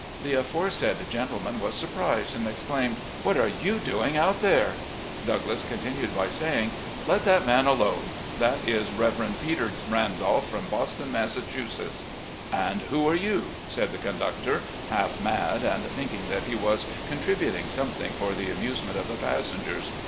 The aforesaid gentle man was surprised, and exclaimed, "What are you doing out there?" Douglass continued by saying, « Let that man alone ; that is Rev. Peter Randolph, from Boston, Massachusetts." " And who are you ?" said the conductor, half mad, and thinking that he was contributing something for the amusement of the passengers.